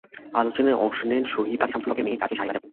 আলোচনায় অংশ নেন শহীদ কাজী শামসুল হকের মেয়ে কাজী শায়লা জাবীন।